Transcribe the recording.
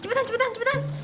cepetan cepetan cepetan